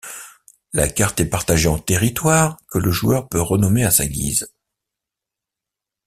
La carte est partagée en territoires que le joueur peut renommer à sa guise.